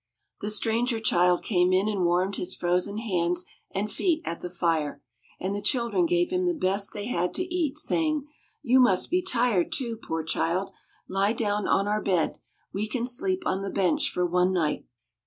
The stranger child came in and warmed his frozen hands and feet at the fire, and the children gave him the best they had to eat, saying: "You must be tired, too, poor child! Lie down on our bed; we can sleep on the bench for one night."